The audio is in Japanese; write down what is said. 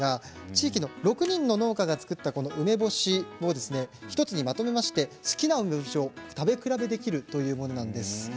地域の６軒の農家が作った梅干しを１つにまとめまして好きな梅干しを食べ比べできるというものなんです。